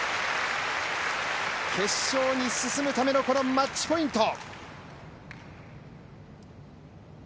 決勝に進むためのマッチポイント。